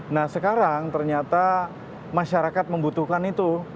nah sekarang ternyata masyarakat membutuhkan itu